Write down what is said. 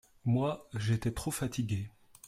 Moi, j'étais trop fatigué.